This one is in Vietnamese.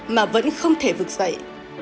mà vẫn không thể vực dậy